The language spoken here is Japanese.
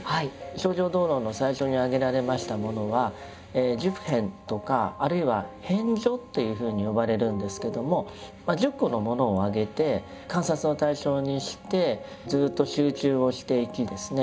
「清浄道論」の最初に挙げられましたものは「十遍」とかあるいは「遍処」というふうに呼ばれるんですけども１０個のものをあげて観察の対象にしてずっと集中をしていきですね